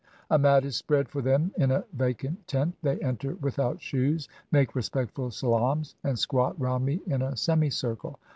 A mat is spread for them in a vacant tent. They enter without shoes, make respectful salaams, and squat round me in a semicircle.